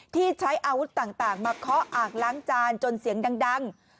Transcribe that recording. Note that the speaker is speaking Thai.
ที่ใช้อาวุธต่างมาเคาะอ่างล้างจานจนเสียงดัง